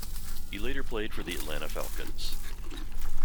He later played for the Atlanta Falcons.